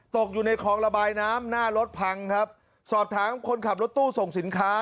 ตกอยู่ในคลองระบายน้ำหน้ารถพังครับสอบถามคนขับรถตู้ส่งสินค้า